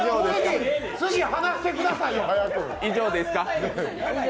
次、話してくださいよ、早く。